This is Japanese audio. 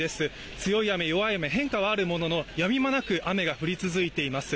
強い雨、弱い雨、変化はあるもののやむ間なく雨が降り続いています。